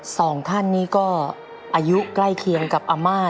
สองท่านนี้ก็อายุใกล้เคียงกับอาม่า